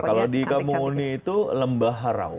kalau di kamuni itu lembaharau